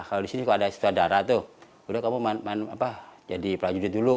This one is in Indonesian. kalau disini kalau ada sutradara tuh udah kamu main apa jadi pelajur dulu